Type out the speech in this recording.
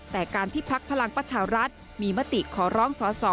แต่การที่พักพลังประชารัฐมีมติขอร้องสอสอ